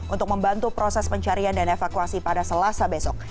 untuk membantu proses pencarian dan evakuasi pada selasa besok